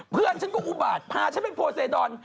เพื่อนฉันก็อุบาตพาฉันไปโพลเซดอน